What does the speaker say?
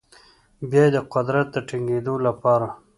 بیا یې د قدرت د ټینګیدو لپاره